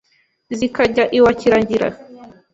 Zikajya iwa Kiragira